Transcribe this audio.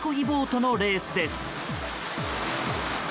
ボートのレースです。